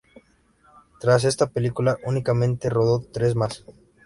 Tras esta película, únicamente rodó tres más.